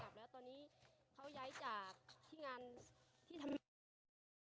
ตอนนี้เขาย้ายจากที่ทำหรับ